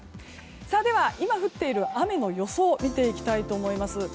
では、今降っている雨の予想を見ていきたいと思います。